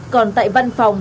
còn tại văn phòng